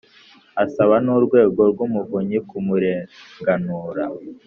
asaba n Urwego rw Umuvunyi kumurenganura